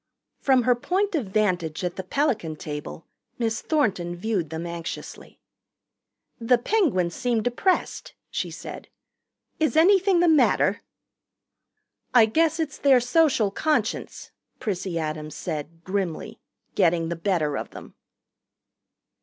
From her point of vantage at the Pelican table Miss Thornton viewed them anxiously. "The Penguins seem depressed," she said. "Is anything the matter?" "I guess it's their Social Conscience," Prissy Adams said grimly, "getting the better of them."